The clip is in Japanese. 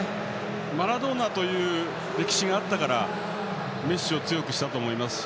マラドーナという歴史があったからメッシを強くしたと思いますし。